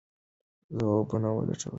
ځوابونه ولټوئ.